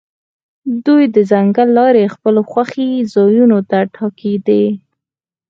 دوی د ځنګل لارې خپلو خوښې ځایونو ته ټاکي